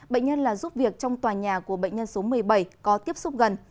bệnh nhân là giúp việc trong tòa nhà của bệnh nhân số một mươi bảy có tiếp xúc gần